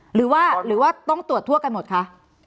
หรือว่าต้องตรวจทั่วกันหมดคะ